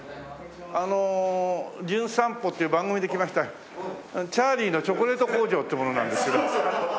あの『じゅん散歩』っていう番組で来ましたチャーリーのチョコレート工場っていう者なんですけど。